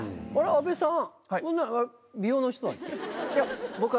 阿部さん。